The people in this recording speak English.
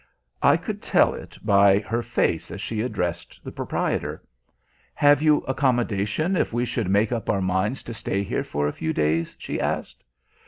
I could tell it by her face as she addressed the proprietor. "Have you accommodation if we should make up our minds to stay here for a few days?" she asked.